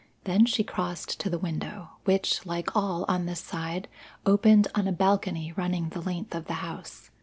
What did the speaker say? Then she crossed to the window, which, like all on this side, opened on a balcony running the length of the house.